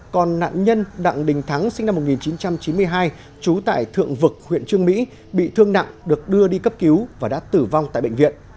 còn nạn nhân đặng đình thắng sinh năm một nghìn chín trăm chín mươi hai trú tại thượng vực huyện trương mỹ bị thương nặng được đưa đi cấp cứu và đã tử vong tại bệnh viện